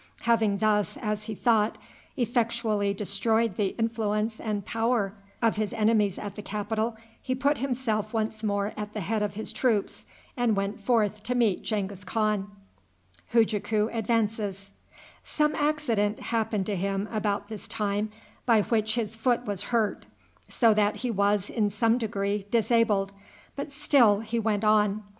Having thus, as he thought, effectually destroyed the influence and power of his enemies at the capital, he put himself once more at the head of his troops, and went forth to meet Genghis Khan. Some accident happened to him about this time by which his foot was hurt, so that he was, in some degree, disabled, but still he went on.